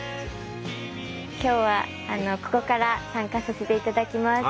今日はここから参加させていただきます。